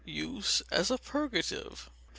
Use as a purgative. 496.